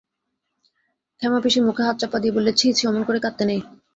ক্ষেমাপিসি মুখে হাত চাপা দিয়ে বললে, ছি ছি, অমন করে কাঁদতে নেই।